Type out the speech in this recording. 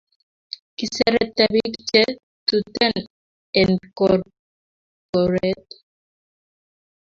Kiserete pik che tuten enkorkoret